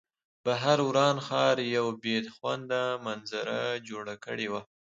بهر وران ښار یوه بې خونده منظره جوړه کړې وه